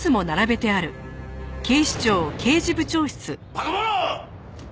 馬鹿者！